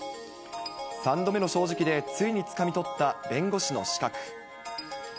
３度目の正直でついにつかみ取った弁護士の資格。